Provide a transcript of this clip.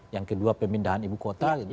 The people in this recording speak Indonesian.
yang kedua pemindahan ibu kota